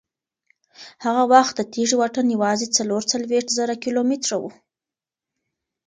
هغه وخت د تېږې واټن یوازې څلور څلوېښت زره کیلومتره و.